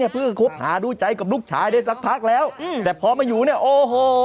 เพื่อคบหาดูใจกับลูกชายได้สักพักแล้วแต่พอมาอยู่เนี่ยโอ้โห